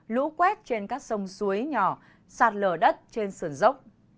lũ quét trên các sông suối nhỏ sạt lở đất trên sườn dốc